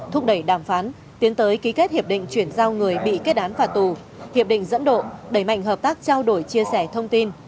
thúc đẩy đàm phán tiến tới ký kết hiệp định chuyển giao người bị kết án phạt tù hiệp định dẫn độ đẩy mạnh hợp tác trao đổi chia sẻ thông tin